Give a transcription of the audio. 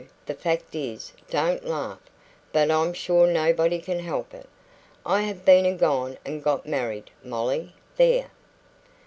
the fact is don't laugh but I'm sure nobody can help it I have been and gone and got married, Molly. There!"